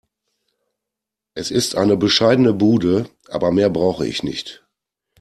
Es ist eine bescheidene Bude, aber mehr brauche ich nicht.